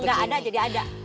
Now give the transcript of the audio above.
yang gak ada jadi ada